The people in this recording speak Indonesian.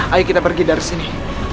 ayo kita pergi dari sini